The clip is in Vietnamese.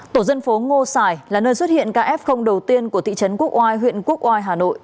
tổ dân phố ngô sài là nơi xuất hiện kf đầu tiên của thị trấn cúc oai huyện cúc oai hà nội